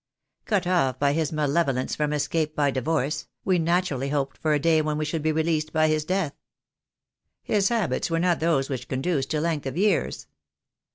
Cut off by his malevolence from escape by divorce, we naturally hoped for a day when we should be released by his death. His habits were not those which conduce to length of years.